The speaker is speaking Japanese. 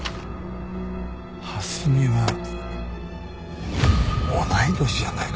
蓮見は同い年じゃないか？